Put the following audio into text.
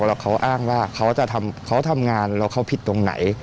แล้วเขาอ้างว่าเขาทำงานแล้วเขาผิดตรงไหน